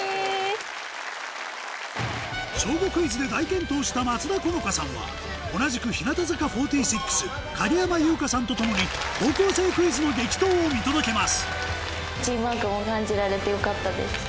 『小５クイズ』で大健闘した松田好花さんは同じく日向坂４６影山優佳さんと共に『高校生クイズ』の激闘を見届けますチームワークも感じられてよかったです。